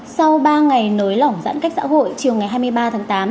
sau ba ngày nới lỏng giãn cách xã hội chiều ngày hai mươi ba tháng tám